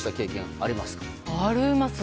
あります！